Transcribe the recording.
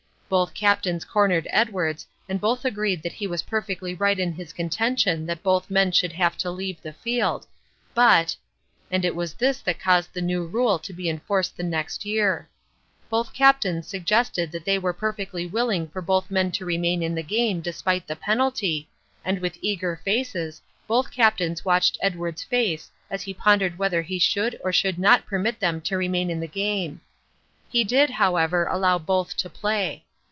Both captains cornered Edwards and both agreed that he was perfectly right in his contention that both men should have to leave the field, but and it was this that caused the new rule to be enforced the next year. Both captains suggested that they were perfectly willing for both men to remain in the game despite the penalty, and with eager faces both captains watched Edwards' face as he pondered whether he should or should not permit them to remain in the game. He did, however, allow both to play.